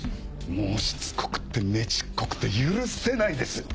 もうしつこくてねちっこくて許せないです。